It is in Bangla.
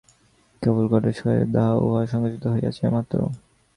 কেবল কতকগুলি কাজের দ্বারা উহা সঙ্কুচিত হইয়াছে মাত্র।